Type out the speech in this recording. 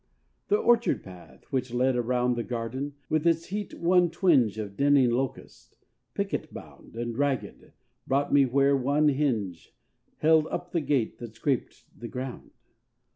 The orchard path, which led around The garden, with its heat one twinge Of dinning locusts, picket bound, And ragged, brought me where one hinge Held up the gate that scraped the ground.